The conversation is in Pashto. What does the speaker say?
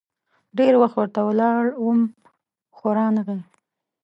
ډېر وخت ورته ولاړ وم ، خو رانه غی.